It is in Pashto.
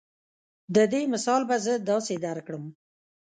د دې مثال به زۀ داسې درکړم